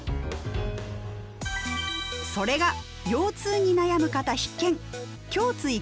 それが腰痛に悩む方必見！